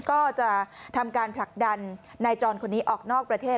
ก็จะทำการผลักดันนายจรคนนี้ออกนอกประเทศ